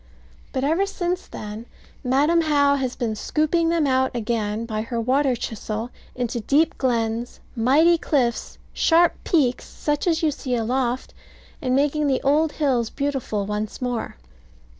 But ever since then, Madam How has been scooping them out again by her water chisel into deep glens, mighty cliffs, sharp peaks, such as you see aloft, and making the old hills beautiful once more.